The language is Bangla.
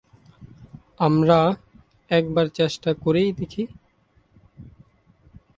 আমরা একবার চেষ্টা করেই দেখি!